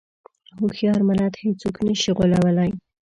هوښیار ملت هېڅوک نه شي غولوی.